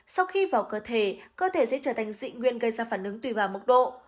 sau khi vào cơ thể cơ thể sẽ trở thành dị nguyên gây ra phản ứng tùy vào mức độ